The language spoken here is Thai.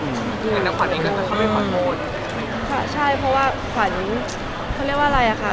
คือแล้วขวัญเองก็จะเข้าไปขอโทษค่ะใช่เพราะว่าขวัญเขาเรียกว่าอะไรอ่ะคะ